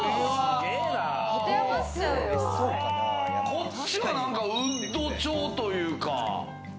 こっちはなんかウッド調というか。